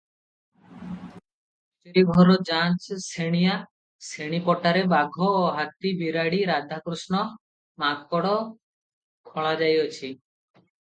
କଚେରୀ ଘର ପାଞ୍ଚ ଶେଣିଆ, ଶେଣି ପଟାରେ ବାଘ, ହାତୀ, ବିରାଡ଼ି, ରାଧାକୃଷ୍ଣ, ମାଙ୍କଡ଼ ଖୋଳାଯାଇଅଛି ।